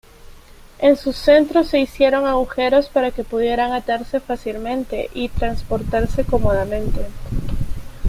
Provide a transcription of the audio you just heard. En su centro se hicieron agujeros para que pudieran atarse fácilmente y transportarse cómodamente.